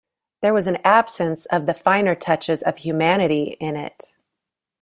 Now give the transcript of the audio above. There was an absence of the finer touches of humanity in it!